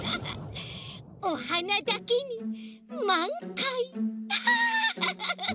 おはなだけにまんかい！